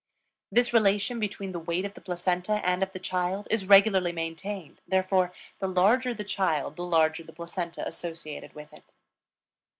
This relation between the weight of the placenta and of the child is regularly maintained; therefore, the larger the child the larger the placenta associated with it.